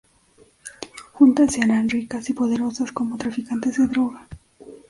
Juntas se harán ricas y poderosas como traficantes de droga.